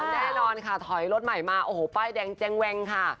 แน่นอนค่ะถอยรถใหม่มาโอ้โหป้ายแดงแจงแวงค่ะ